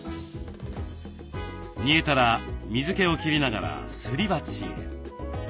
煮えたら水けを切りながらすり鉢へ。